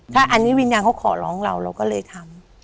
ถ้าอันนี้วิญญาณเขาขอร้องเราเราก็เลยทำ